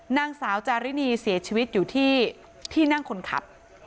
นางสาวจารินีเสียชีวิตอยู่ที่ที่นั่งคนขับ